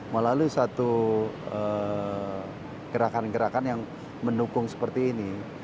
melalui satu gerakan gerakan yang mendukung seperti ini